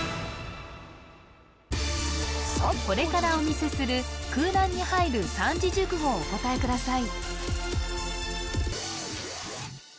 これからお見せする空欄に入る三字熟語をお答えください